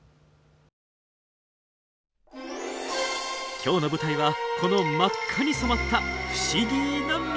今日の舞台はこの真っ赤に染まった不思議な湖。